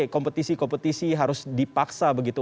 kompetisi kompetisi harus dipaksa begitu